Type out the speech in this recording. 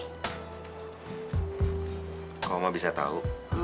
kok oma bisa tau